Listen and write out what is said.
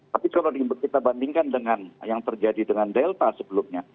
tapi kalau kita bandingkan dengan yang terjadi dengan delta sebelumnya